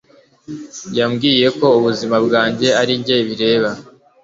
yambwiye ko ubuzima bwanjye ari njye bireba